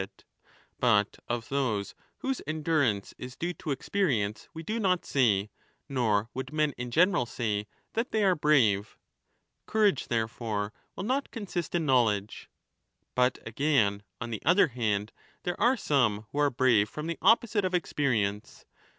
But of those whose endurance is due to experience we do not say, nor would men in general say, that they are brave. Courage, therefore, will not consist in knowledge. But again, on the other hand, there are some who are brave from the opposite of experience.